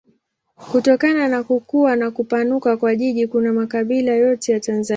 Kutokana na kukua na kupanuka kwa jiji kuna makabila yote ya Tanzania.